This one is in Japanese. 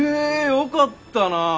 よかったな！